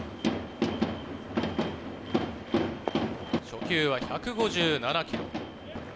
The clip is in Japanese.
初球は１５７キロ。